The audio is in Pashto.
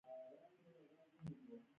د سبا تشویش مه کوه!